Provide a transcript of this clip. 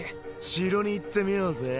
城に行ってみよぜ。